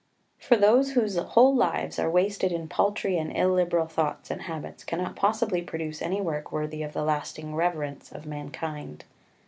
For those whose whole lives are wasted in paltry and illiberal thoughts and habits cannot possibly produce any work worthy of the lasting reverence of mankind.